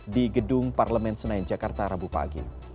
di gedung parlemen senayan jakarta rabu pagi